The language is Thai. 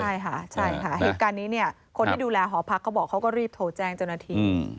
ใช่ค่ะเหตุหน่อยในนี้คนที่ดูแลหอพรรคเขาบอกเขาก็รีบโทรแจ้งจำนาธิ